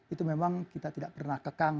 itu memang kita tidak pernah kekang